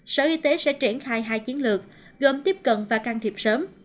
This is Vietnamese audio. sở y tế sẽ triển khai hai chiến lược gồm tiếp cận và can thiệp sớm